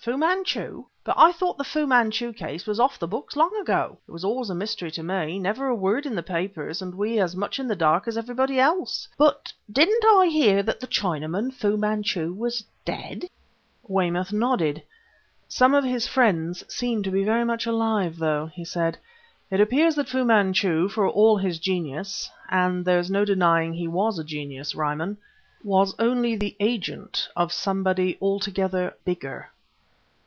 "Fu Manchu! But I thought the Fu Manchu case was off the books long ago? It was always a mystery to me; never a word in the papers; and we as much in the dark as everybody else but didn't I hear that the Chinaman, Fu Manchu, was dead?" Weymouth nodded. "Some of his friends seem to be very much alive, though" he said. "It appears that Fu Manchu, for all his genius and there's no denying he was a genius, Ryman was only the agent of somebody altogether bigger."